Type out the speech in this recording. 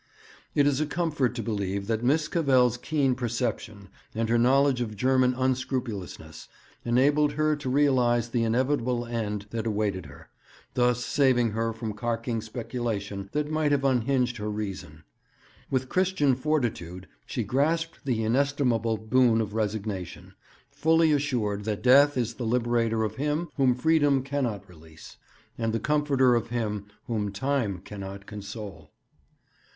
It is a comfort to believe that Miss Cavell's keen perception and her knowledge of German unscrupulousness enabled her to realize the inevitable end that awaited her, thus saving her from carking speculation that might have unhinged her reason. With Christian fortitude she grasped the inestimable boon of resignation, fully assured that 'death is the liberator of him whom freedom cannot release, and the comforter of him whom time cannot console.'